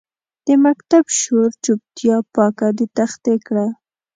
د مکتب شور چوپتیا پاکه د تختې کړه